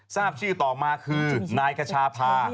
ทราบชื่อต่อมาคือนายขชาพา